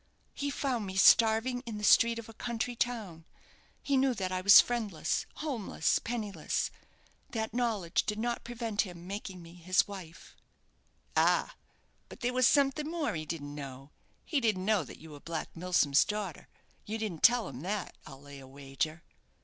"He found me starving in the street of a country town. He knew that I was friendless, homeless, penniless. That knowledge did not prevent him making me his wife." "Ah! but there was something more he didn't know. He didn't know that you were Black Milsom's daughter; you didn't tell him that, I'll lay a wager."